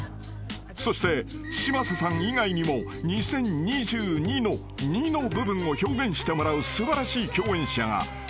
［そして嶋佐さん以外にも２０２２の２の部分を表現してもらう素晴らしい共演者が］